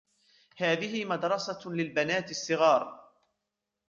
هذه مردسة للبنات الصغار.